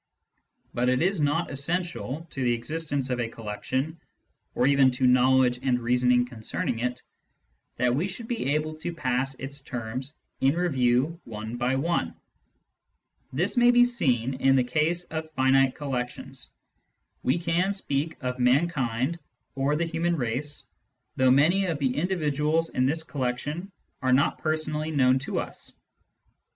But it is not essential to the existence of a collection, or even to knowledge and reasoning concerning it, that we should be able to pass its terms in review one by one. This may be seen in the case of finite collections ; we can speak of " mankind " or " the human race," though many of the individuals in this collection are not personally Digitized by Google 1 82 SCIENTIFIC METHOD IN PHILOSOPHY known to us.